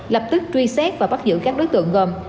lập tức truy xét và bắt giữ các đối tượng gồm